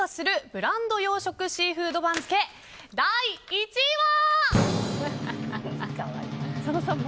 ブランド養殖シーフード番付第１位は。